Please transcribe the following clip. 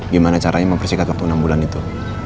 gimana caranya mempersingkat waktu enam bulan itu